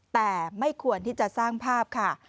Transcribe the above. แต่ไม่ควรที่จะสร้างภาพค่ะ